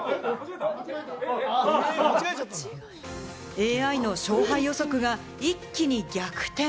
ＡＩの勝敗予測が一気に逆転。